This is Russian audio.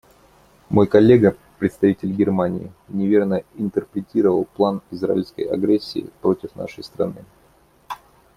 Мой коллега, представитель Германии, неверно интерпретировал план израильской агрессии против нашей страны.